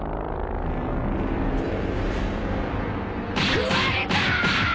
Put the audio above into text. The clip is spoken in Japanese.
食われたー！